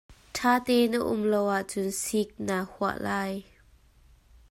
Ṭhate na um lo ahcun sik naa huah lai.